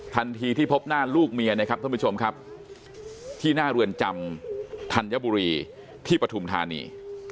ทันทีที่พบหน้าลูกเมียนะครับท่านผู้ชมครับที่หน้าเรือนจำธัญบุรีที่ปฐุมธานี